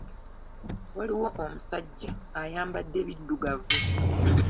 Waliwo omusajja ayambadde biddugavu.